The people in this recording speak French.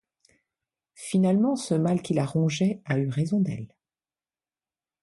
Finalement, ce mal qui la rongeait a eu raison d’elle.